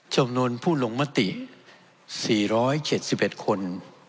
จำนวนผู้ลงมติ๔๗๑คน